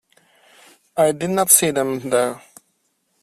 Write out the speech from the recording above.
I did not see them there.